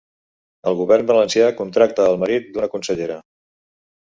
El govern valencià contracta al marit d'una consellera